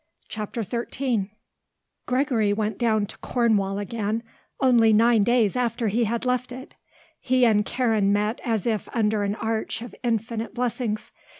CHAPTER XIII Gregory went down to Cornwall again only nine days after he had left it. He and Karen met as if under an arch of infinite blessings.